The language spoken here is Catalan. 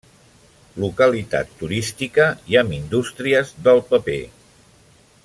Localitat turística i amb indústries del paper.